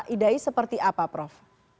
kalau analisa idae seperti apa prof